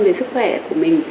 về sức khỏe của mình